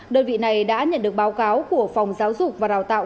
đơn vị này đã nhận được báo cáo của phòng giáo dục và đào tạo